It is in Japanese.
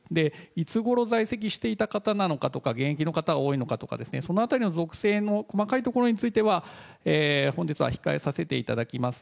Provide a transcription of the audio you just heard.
いつごろ在籍していた方なのかとか、現役の方が多いのかということとか、そのあたりの属性の細かいところについては、本日は控えさせていただきます。